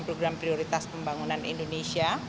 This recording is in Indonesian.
program prioritas pembangunan indonesia